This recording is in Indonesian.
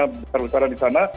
besar besaran di sana